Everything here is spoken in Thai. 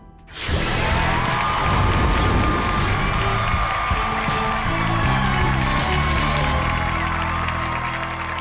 สวัสดีครับ